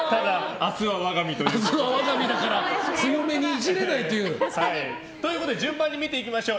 明日は我が身だから強めにイジれないという。ということで順番に見ていきましょう。